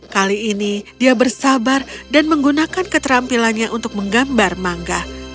kali ini dia bersabar dan menggunakan keterampilannya untuk menggambar mangga